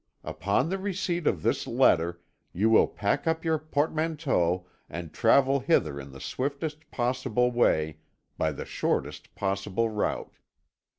Upon the receipt of this letter you will pack up your portmanteau, and travel hither in the swiftest possible way, by the shortest possible route.